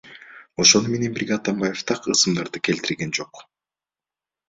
Ошону менен бирге Атамбаев так ысымдарды келтирген жок.